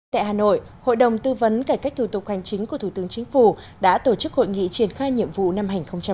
tại hà nội hội đồng tư vấn cải cách thủ tục hành chính của thủ tướng chính phủ đã tổ chức hội nghị triển khai nhiệm vụ năm hai nghìn hai mươi